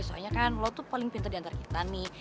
soalnya kan lo tuh paling pinter diantar kita nih